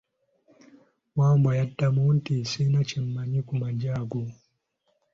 Wambwa n'amudamu nti, sirina kye mmanyi ku maggi go.